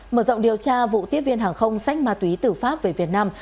mở rộng điều tra vụ tiếp viên hàng không sách ma túy tử pháp về việt nam